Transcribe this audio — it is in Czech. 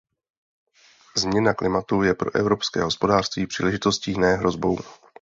Změna klimatu je pro evropské hospodářství příležitostí, ne hrozbou.